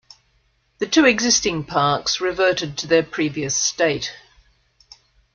The two existing parks reverted to their previous state.